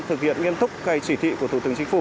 thực hiện nghiêm túc chỉ thị của thủ tướng chính phủ